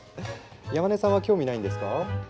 山根さんは興味ないんですか？